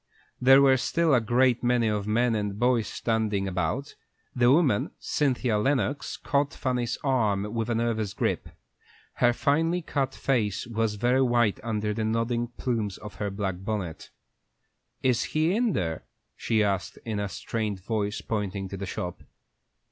There were still a great many men and boys standing about. The woman, Cynthia Lennox, caught Fanny's arm with a nervous grip. Her finely cut face was very white under the nodding plumes of her black bonnet. "Is he in there?" she asked, in a strained voice, pointing to the shop.